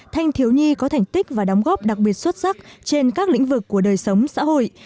thanh thiếu nhi có thành tích và đóng góp đặc biệt xuất sắc trên các lĩnh vực của đời sống xã hội